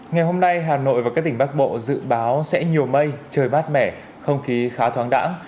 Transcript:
ngày hôm nay hà nội và các tỉnh bắc bộ dự báo sẽ nhiều mây trời mát mẻ không khí khá thoáng đẳng